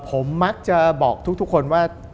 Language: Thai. ผมมักจะบอกทุกคนว่า